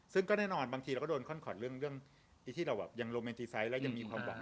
ซึ่งก็แน่นอนบางทีเราก็โดนคอนขอดเรื่องที่เราแบบยังโรแมนติไซต์แล้วยังมีความหวัง